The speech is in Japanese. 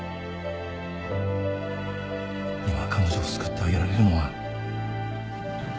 今彼女を救ってあげられるのは。